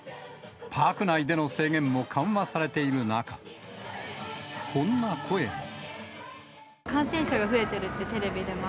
パーク内での制限も緩和されている中、こんな声も。